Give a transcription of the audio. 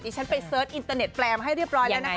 ฉันไปเสิร์ชอินเตอร์เน็ตแปลมให้เรียบร้อยแล้วนะคะ